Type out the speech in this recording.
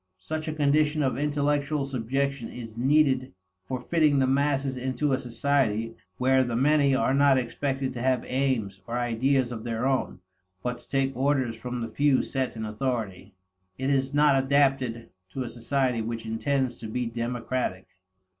Such a condition of intellectual subjection is needed for fitting the masses into a society where the many are not expected to have aims or ideas of their own, but to take orders from the few set in authority. It is not adapted to a society which intends to be democratic.